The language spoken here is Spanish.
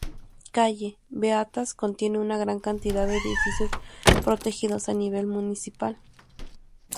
Calle Beatas contiene una gran cantidad de edificios protegidos a nivel municipal.